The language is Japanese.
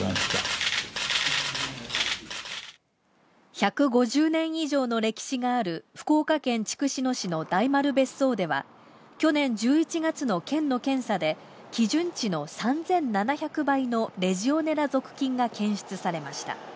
１５０年以上の歴史がある福岡県筑紫野市の大丸別荘では、去年１１月の県の検査で基準値の３７００倍のレジオネラ属菌が検出されました。